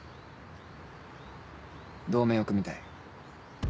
同盟を組みたい。